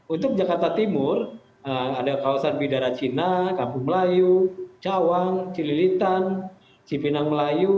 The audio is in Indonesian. untuk jakarta timur ada kawasan bidara cina kampung melayu cawang cililitan cipinang melayu